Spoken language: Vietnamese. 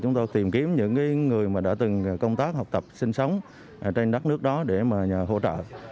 chúng tôi tìm kiếm những người mà đã từng công tác học tập sinh sống trên đất nước đó để mà hỗ trợ